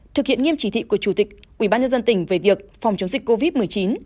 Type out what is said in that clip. thực hiện nghiêm chỉ thị của chủ tịch ubnd tỉnh về việc phòng chống dịch covid một mươi chín